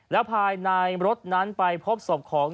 แล้วภายในรถนั้นไปพบศพของ